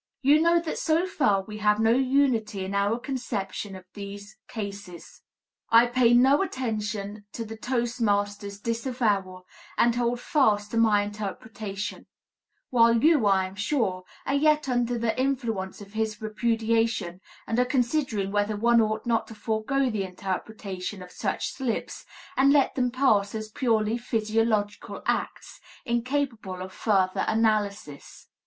You know that so far we have no unity in our conception of these cases. I pay no attention to the toastmaster's disavowal and hold fast to my interpretation; while you, I am sure, are yet under the influence of his repudiation and are considering whether one ought not to forego the interpretation of such slips, and let them pass as purely physiological acts, incapable of further analysis.